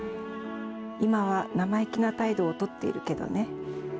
今は生意気な態度を取っているけどね。